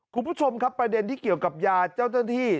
คุณผู้ชมครับประเด็นที่เกี่ยวกับยาเจ้าหน้าที่